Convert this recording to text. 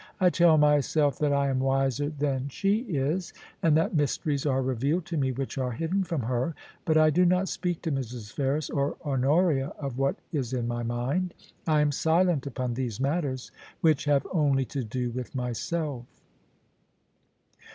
I tell myself that I am wiser than she is, and that mysteries are revealed to me which are hidden from her ; but I do not speak to Mrs. Ferris or Honoria of what is in my mind. I am silent upon these matters, which have only to do with myself.'